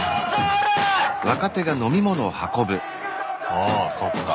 ああそっか。